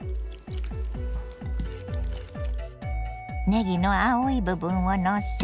ねぎの青い部分をのせ。